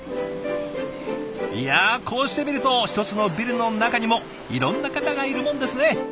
いやこうして見ると１つのビルの中にもいろんな方がいるもんですね。